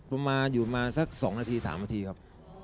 ประมาณอยู่มาสักสองนาทีสามนาทีครับ